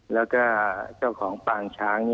แล้วก็เจ้าของปางช้าง